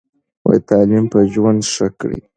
تعلیم به ژوند ښه کړي.